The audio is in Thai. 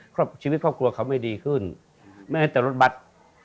ครอบครัวชีวิตครอบครัวเขาไม่ดีขึ้นแม้แต่รถบัตร